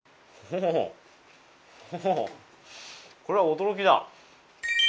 これは驚きだ。